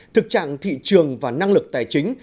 thực trạng thị trường và năng lực tài chính